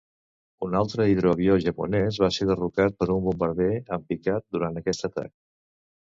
Un altre hidroavió japonès va ser derrocat per un bombarder en picat durant aquest atac.